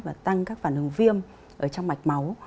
và tăng các phản ứng viêm ở trong mạch máu